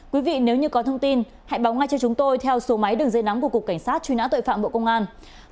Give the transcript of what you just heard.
quý vị nếu như có thông tin hãy báo ngay cho chúng tôi theo số máy đường dây nóng của cục cảnh sát truy nã tội phạm bộ công an